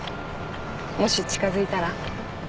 もし近づいたら？